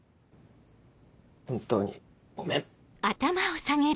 本当にごめん。